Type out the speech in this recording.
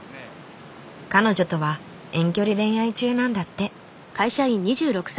彼女とは遠距離恋愛中なんだって。